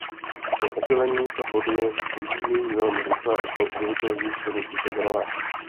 Po opylení se plody vyvíjejí velmi rychle a jsou obvykle již do měsíce zralé.